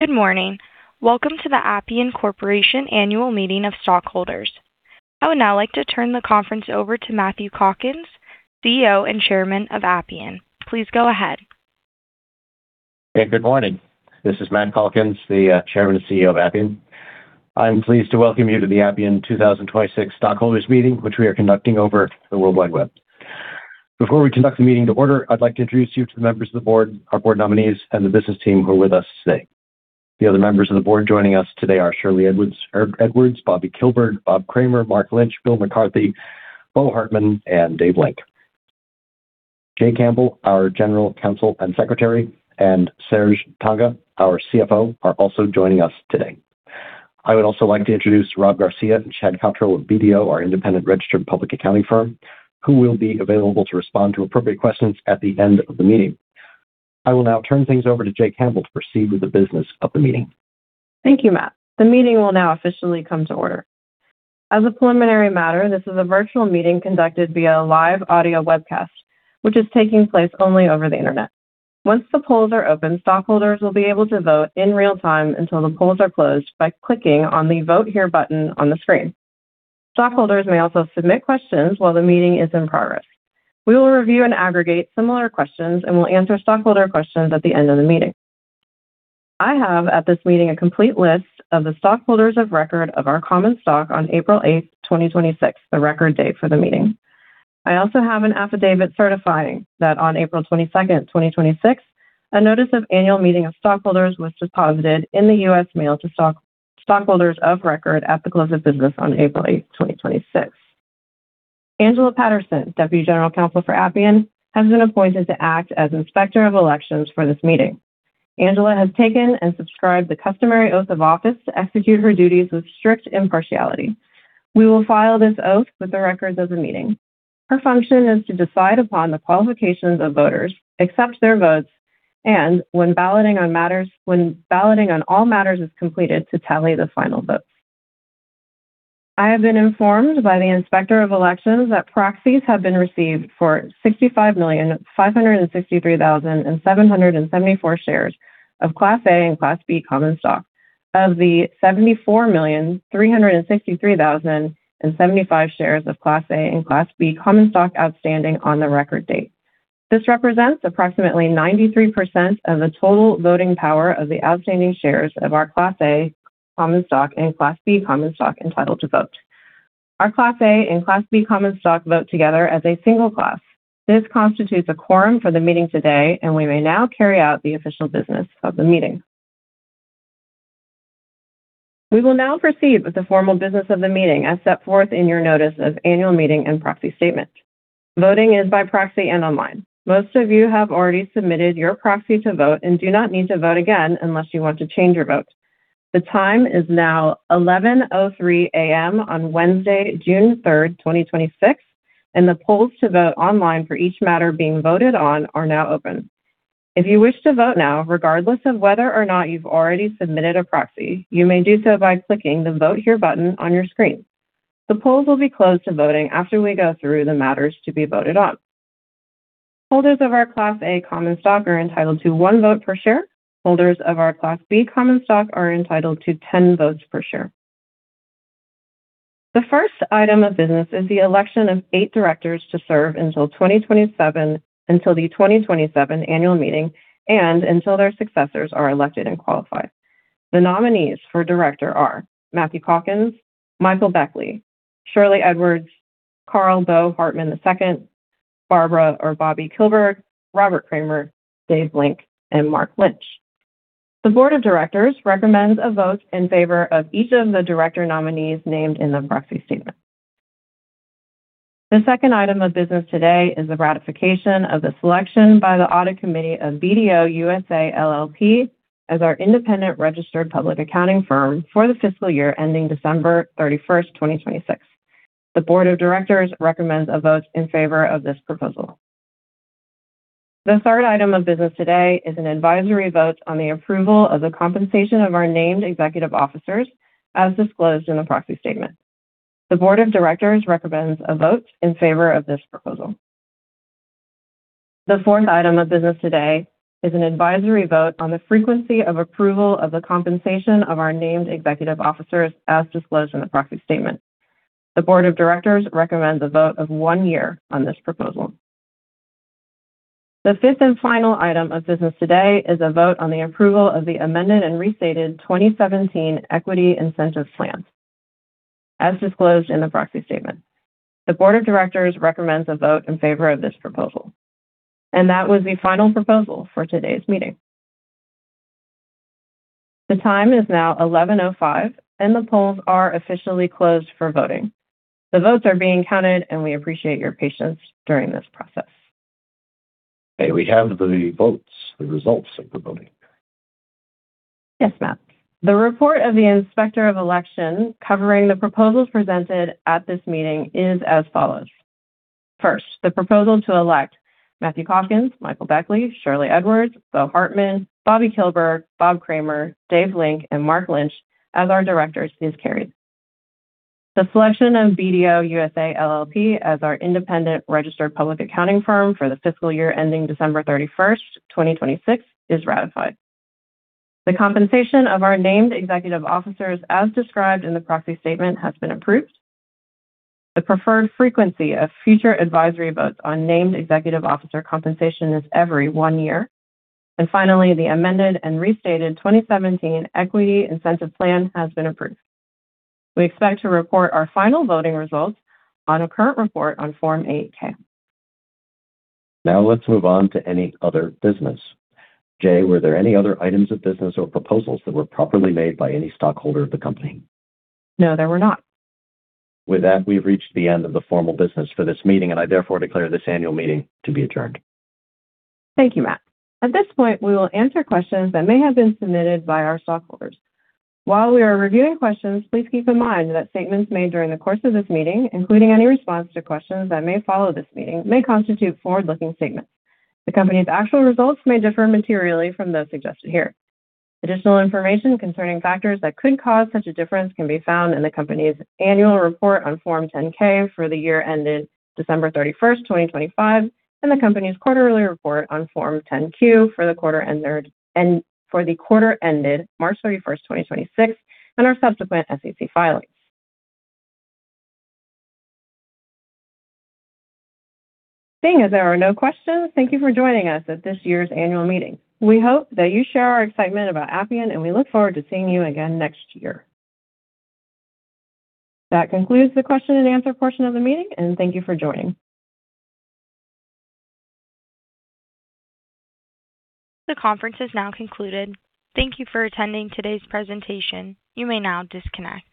Good morning. Welcome to the Appian Corporation Annual Meeting of Stockholders. I would now like to turn the conference over to Matthew Calkins, CEO and Chairman of Appian. Please go ahead. Hey, good morning. This is Matt Calkins, the Chairman and CEO of Appian. I'm pleased to welcome you to the Appian 2026 Stockholders Meeting, which we are conducting over the World Wide Web. Before we conduct the meeting to order, I'd like to introduce you to the members of the board, our board nominees, and the business team who are with us today. The other members of the board joining us today are Shirley Edwards, Bobbie Kilberg, Bob Kramer, Mark Lynch, Bill McCarthy, Boe Hartman, and Dave Link. Jaye Campbell, our General Counsel and Secretary, and Serge Tanjga, our CFO, are also joining us today. I would also like to introduce Rob Garcia and Chad Cottrell of BDO, our independent registered public accounting firm, who will be available to respond to appropriate questions at the end of the meeting. I will now turn things over to Jaye Campbell to proceed with the business of the meeting. Thank you, Matt. The meeting will now officially come to order. As a preliminary matter, this is a virtual meeting conducted via live audio webcast, which is taking place only over the internet. Once the polls are open, stockholders will be able to vote in real time until the polls are closed by clicking on the Vote Here button on the screen. Stockholders may also submit questions while the meeting is in progress. We will review and aggregate similar questions and will answer stockholder questions at the end of the meeting. I have at this meeting a complete list of the stockholders of record of our common stock on April 8th, 2026, the record date for the meeting. I also have an affidavit certifying that on April 22nd, 2026, a notice of annual meeting of stockholders was deposited in the U.S. mail to stockholders of record at the close of business on April 8th, 2026. Angela Patterson, Deputy General Counsel for Appian, has been appointed to act as Inspector of Elections for this meeting. Angela has taken and subscribed the customary oath of office to execute her duties with strict impartiality. We will file this oath with the records of the meeting. Her function is to decide upon the qualifications of voters, accept their votes, and when balloting on all matters is completed, to tally the final votes. I have been informed by the Inspector of Elections that proxies have been received for 65,563,774 shares of Class A and Class B common stock. Of the 74,363,075 shares of Class A and Class B common stock outstanding on the record date. This represents approximately 93% of the total voting power of the outstanding shares of our Class A common stock and Class B common stock entitled to vote. Our Class A and Class B common stock vote together as a single class. This constitutes a quorum for the meeting today, and we may now carry out the official business of the meeting. We will now proceed with the formal business of the meeting as set forth in your notice of annual meeting and proxy statement. Voting is by proxy and online. Most of you have already submitted your proxy to vote and do not need to vote again unless you want to change your vote. The time is now 11:03 A.M. on Wednesday, June 3rd, 2026, and the polls to vote online for each matter being voted on are now open. If you wish to vote now, regardless of whether or not you've already submitted a proxy, you may do so by clicking the Vote Here button on your screen. The polls will be closed to voting after we go through the matters to be voted on. Holders of our Class A common stock are entitled to one vote per share. Holders of our Class B common stock are entitled to 10 votes per share. The first item of business is the election of eight directors to serve until the 2027 annual meeting and until their successors are elected and qualified. The nominees for director are Matthew Calkins, Michael Beckley, Shirley Edwards, Carl G. Hartman, II, Bobbie Kilberg, Robert Kramer, David Link, and Mark Lynch. The board of directors recommends a vote in favor of each of the director nominees named in the proxy statement. The second item of business today is the ratification of the selection by the Audit Committee of BDO USA, LLP as our independent registered public accounting firm for the fiscal year ending December 31st, 2026. The board of directors recommends a vote in favor of this proposal. The third item of business today is an advisory vote on the approval of the compensation of our named executive officers as disclosed in the proxy statement. The board of directors recommends a vote in favor of this proposal. The fourth item of business today is an advisory vote on the frequency of approval of the compensation of our named executive officers as disclosed in the proxy statement. The board of directors recommends a vote of one year on this proposal. The fifth and final item of business today is a vote on the approval of the amended and restated 2017 Equity Incentive Plan as disclosed in the proxy statement. The board of directors recommends a vote in favor of this proposal. That was the final proposal for today's meeting. The time is now 11:05, and the polls are officially closed for voting. The votes are being counted, and we appreciate your patience during this process. Okay, we have the votes, the results of the voting. Yes, Matt. The report of the Inspector of Election covering the proposals presented at this meeting is as follows. First, the proposal to elect Matthew Calkins, Michael Beckley, Shirley Edwards, Boe Hartman, Bobbie Kilberg, Bob Kramer, Dave Link, and Mark Lynch as our directors is carried. The selection of BDO USA, LLP as our independent registered public accounting firm for the fiscal year ending December 31st, 2026 is ratified. The compensation of our named executive officers, as described in the proxy statement, has been approved. The preferred frequency of future advisory votes on named executive officer compensation is every one year. Finally, the amended and restated 2017 Equity Incentive Plan has been approved. We expect to report our final voting results on a current report on Form 8-K. Now let's move on to any other business. Jaye, were there any other items of business or proposals that were properly made by any stockholder of the company? No, there were not. With that, we've reached the end of the formal business for this meeting. I therefore declare this annual meeting to be adjourned. Thank you, Matt. At this point, we will answer questions that may have been submitted by our stockholders. While we are reviewing questions, please keep in mind that statements made during the course of this meeting, including any response to questions that may follow this meeting, may constitute forward-looking statements. The company's actual results may differ materially from those suggested here. Additional information concerning factors that could cause such a difference can be found in the company's annual report on Form 10-K for the year ended December 31st, 2025, and the company's quarterly report on Form 10-Q for the quarter ended March 31st, 2026, and our subsequent SEC filings. Seeing as there are no questions, thank you for joining us at this year's annual meeting. We hope that you share our excitement about Appian, and we look forward to seeing you again next year. That concludes the question-and-answer portion of the meeting, and thank you for joining. The conference has now concluded. Thank you for attending today's presentation. You may now disconnect.